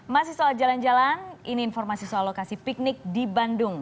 masih soal jalan jalan ini informasi soal lokasi piknik di bandung